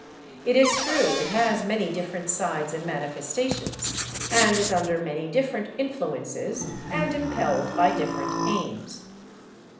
It is true it has many different sides and manifestations, and is under many different influences and impelled by different aims.